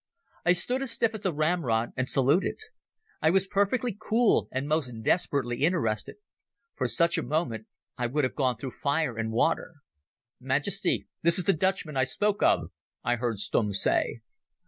I stood as stiff as a ramrod and saluted. I was perfectly cool and most desperately interested. For such a moment I would have gone through fire and water. "Majesty, this is the Dutchman I spoke of," I heard Stumm say.